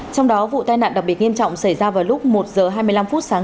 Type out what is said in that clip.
trong đó vụ tai nạn đặc biệt nghiêm trọng xảy ra vào lúc một h hai mươi năm phút sáng